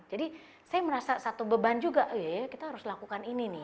jadi saya merasa satu beban juga kita harus lakukan ini nih